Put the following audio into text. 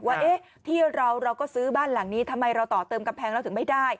ว่าที่เราเราก็ซื้อบ้านหลังนี้ทำไมเราต่อเติมกำแพงเราถึงไม่ได้